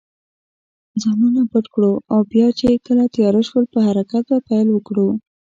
ځانونه پټ کړو او بیا چې کله تېاره شول، په حرکت به پیل وکړو.